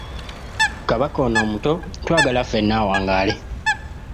Kabaka ono omuto twagala ffenna awangaale.